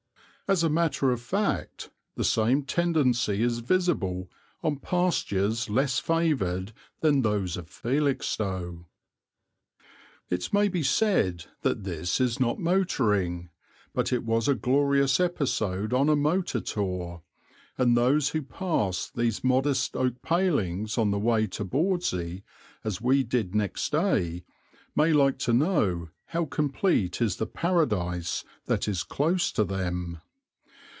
As a matter of fact the same tendency is visible on pastures less favoured than those of Felixstowe. It may be said that this is not motoring; but it was a glorious episode on a motor tour, and those who pass these modest oak palings on the way to Bawdsey, as we did next day, may like to know how complete is the paradise that is close to them.